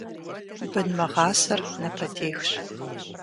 Бын мыгъасэр напэтехщ.